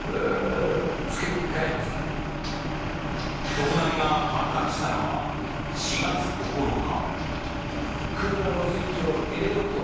盗難が発覚したのは４月９日。